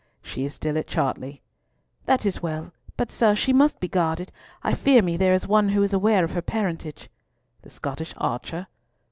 "She is still at Chartley." "That is well. But, sir, she must be guarded. I fear me there is one who is aware of her parentage." "The Scottish archer?"